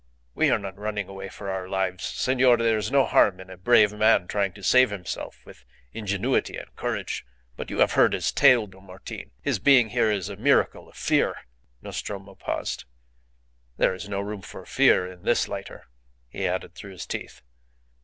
We are not running away for our lives. Senor, there is no harm in a brave man trying to save himself with ingenuity and courage; but you have heard his tale, Don Martin. His being here is a miracle of fear " Nostromo paused. "There is no room for fear in this lighter," he added through his teeth.